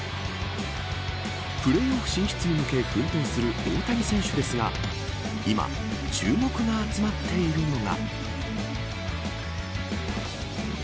プレーオフ進出に向け奮闘する大谷選手ですが今、注目が集まっているのが。